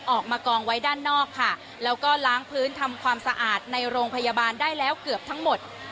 ออกมากองไว้ด้านนอกค่ะแล้วก็ล้างพื้นทำความสะอาดในโรงพยาบาลได้แล้วเกือบทั้งหมด